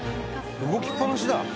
動きっぱなしだ。